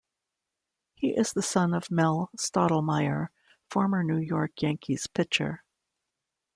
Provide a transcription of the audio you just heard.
He is the son of Mel Stottlemyre, former New York Yankees pitcher.